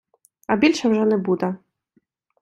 а більше вже не буде